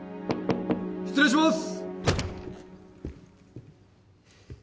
失礼します！